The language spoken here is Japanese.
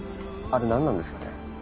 あれ何なんですかね？